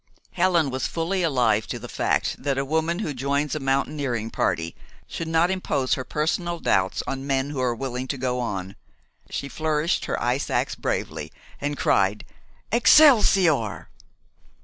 Helen was fully alive to the fact that a woman who joins a mountaineering party should not impose her personal doubts on men who are willing to go on. She flourished her ice ax bravely, and cried, "Excelsior!"